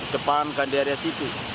jepang kan di area situ